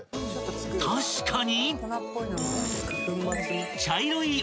［確かに］